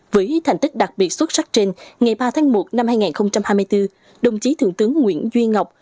với thành tích đặc biệt xuất sắc trên ngày ba tháng một năm hai nghìn hai mươi bốn đồng chí thượng tướng nguyễn duy ngọc